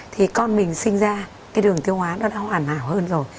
thì con mình sinh ra cái đường tiêu hóa nó đã hoàn hảo hơn rồi